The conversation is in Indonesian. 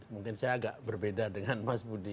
mungkin saya agak berbeda dengan mas budi